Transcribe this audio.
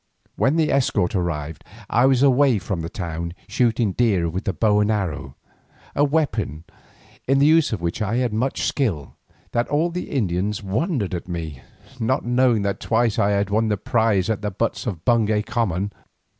When the escort arrived I was away from the town shooting deer with the bow and arrow, a weapon in the use of which I had such skill that all the Indians wondered at me, not knowing that twice I had won the prize at the butts on Bungay Common.